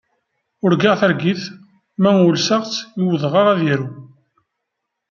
Urgaɣ targit, ma ulseɣ-tt i udɣaɣ ad iru.